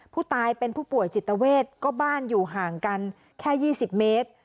ผู้ตายเป็นผู้ป่วยจิตเวทก็บ้านอยู่ห่างกันแค่๒๐เมตร